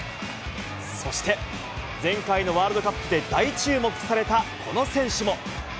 そして、前回のワールドカップで大注目されたこの選手も。